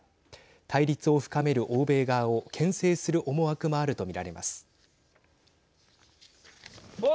対立を深める欧米側をけん制する思惑もあると見られます。